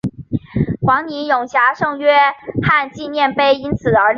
黄泥涌峡圣约翰纪念碑因此而立。